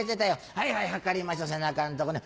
はいはい測りましょう背中んとこね。